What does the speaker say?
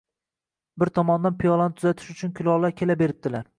Bir tomondan piyolani tuzatish uchun kulollar kela beribdilar